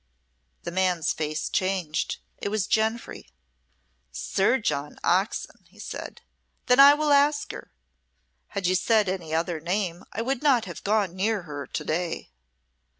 The man's face changed. It was Jenfry. "Sir John Oxon," he said. "Then I will ask her. Had you said any other name I would not have gone near her to day."